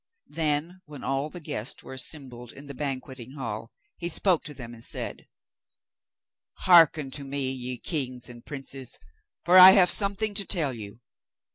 Then, when all the guests were assembled in the banqueting hall, he spoke to them and said: 'Hearken to me, ye kings and princes, for I have something to tell you.